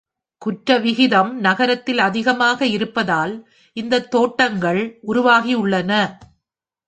குற்ற விகிதம் நகரத்தில் அதிகமாக இருப்பதால், இந்தத் தோட்டங்கள் உருவாகியுள்ளன.